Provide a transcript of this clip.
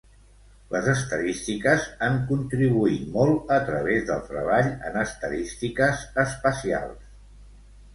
Les estadístiques han contribuït molt a través del treball en estadístiques espacials.